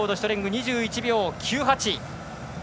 ２１秒９８。